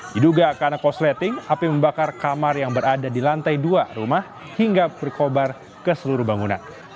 diduga karena kosleting api membakar kamar yang berada di lantai dua rumah hingga berkobar ke seluruh bangunan